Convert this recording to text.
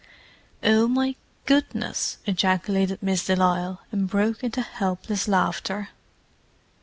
"Oh my goodness!" ejaculated Miss de Lisle—and broke into helpless laughter.